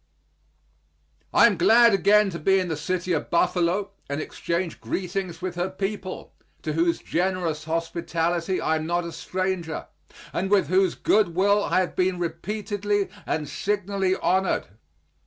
I am glad again to be in the city of Buffalo and exchange greetings with her people, to whose generous hospitality I am not a stranger, and with whose good will I have been repeatedly and signally honored.